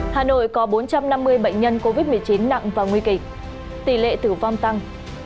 hà nội có bốn trăm năm mươi bệnh nhân covid một mươi chín nặng và nguy kịch tỷ lệ tử vong tăng